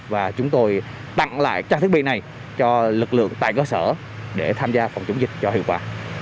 và chúng tôi tặng lại trang thiết bị này cho lực lượng tại cơ sở để tham gia phòng chống dịch cho hiệu quả